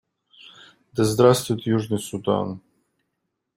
Да здравствует Южный Судан!